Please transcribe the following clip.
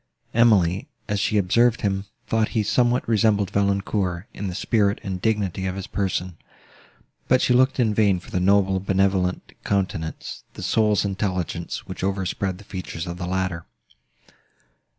Emily, as she observed him, thought he somewhat resembled Valancourt, in the spirit and dignity of his person; but she looked in vain for the noble, benevolent countenance—the soul's intelligence, which overspread the features of the latter.